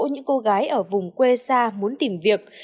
những cô gái ở vùng quê xa muốn tìm việc